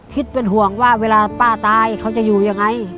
คิดเป็นห่วงว่าเวลาป้าตายเขาจะอยู่ยังไง